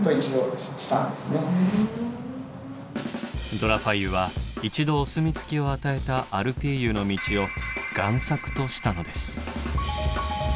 ド・ラ・ファイユは一度お墨付きを与えた「アルピーユの道」を贋作としたのです。